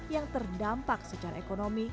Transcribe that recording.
yang terdampak secara ekonomi